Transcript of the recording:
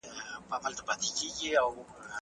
د سیند اوبه نن ډېرې صافې ښکاري.